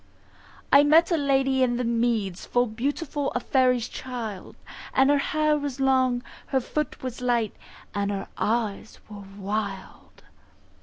I met a Lady in the Meads Full beautiful, a faery's child; Her hair was long, her foot was light, And her eyes were wild.